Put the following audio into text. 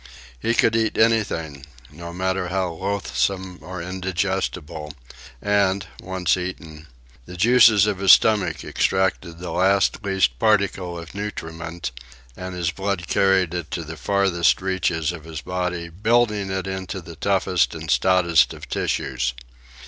He could eat anything, no matter how loathsome or indigestible; and, once eaten, the juices of his stomach extracted the last least particle of nutriment; and his blood carried it to the farthest reaches of his body, building it into the toughest and stoutest of tissues.